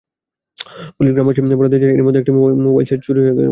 Police গ্রামবাসীর বরাত দিয়ে জানায়, এরই মধ্যে একটি মোবাইল সেট চুরির ঘটনা ঘটে।